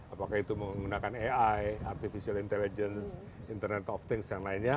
apakah itu menggunakan ai artificial intelligence internet of things yang lainnya